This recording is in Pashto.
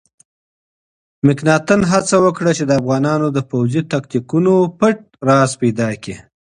مکناتن هڅه وکړه چې د افغانانو د پوځي تاکتیکونو پټ راز پیدا کړي.